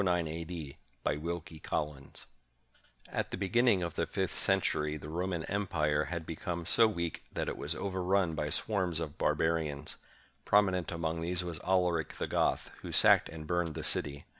D.] BY WILKIE COLLINS [At the beginning of the fifth century the Roman Empire had become so weak that it was overrun by swarms of bar barians. Prominent among these was Alaric the Goth, who sacked and burned the city.